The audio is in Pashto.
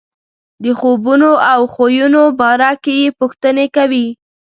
د خوبونو او خویونو باره کې یې پوښتنې کوي.